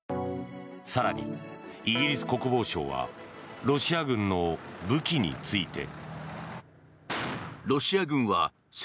更に、イギリス国防省はロシア軍の武器について。